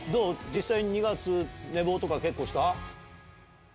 実際２月寝坊とか結構した？